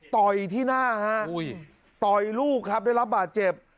ต่อยที่หน้าฮะต่อยลูกครับได้รับบาดเจ็บ